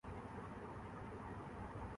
شادی ہوتی ہے۔